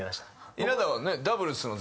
稲田はね。